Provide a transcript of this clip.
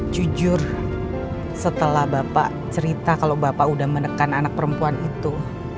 jujur setelah bapak cerita kalau bapak udah menekan anak perempuan itu